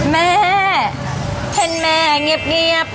แม่เห็นแม่เงียบ